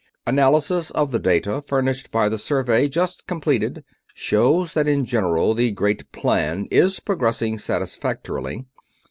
"Analysis of the data furnished by the survey just completed shows that in general the Great Plan is progressing satisfactorily.